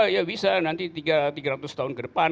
ya bisa nanti tiga ratus tahun ke depan